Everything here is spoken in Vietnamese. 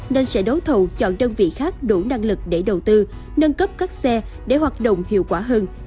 nên sẽ đấu thầu chọn đơn vị khác đủ năng lực để đầu tư nâng cấp các xe để hoạt động hiệu quả hơn